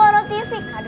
harusnya aja gak ada